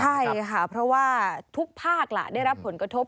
ใช่ค่ะเพราะว่าทุกภาคได้รับผลกระทบ